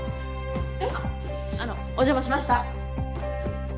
あっあのお邪魔しました。